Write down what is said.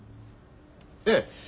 ええ。